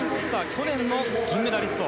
去年の銀メダリスト。